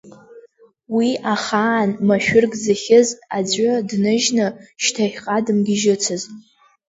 Уи ахаан машәырк зыхьыз аӡәы дныжьны шьҭахьҟа дымгьежьыцызт.